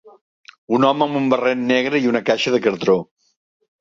Un home amb un barret negre i una caixa de cartró.